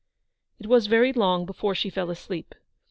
It was very long before she fell asleep.